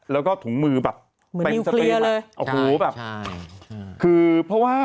แล้วก็ถุงมือแบบเป็นสตรีมคือเพราะว่า